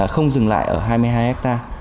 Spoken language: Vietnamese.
không dừng lại ở hai mươi hai hectare